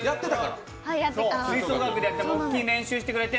吹奏楽でやってて練習してくれて。